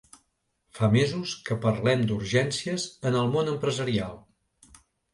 Fa mesos que parlem d’urgències en el món empresarial.